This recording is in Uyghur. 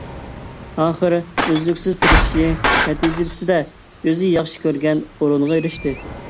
ئاخىرى ئۈزلۈكسىز تىرىشىشى نەتىجىسىدە ئۆزى ياخشى كۆرگەن ئورۇنغا ئېرىشتى.